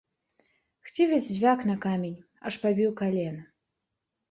Хцівец звяк на камень, аж пабіў калена.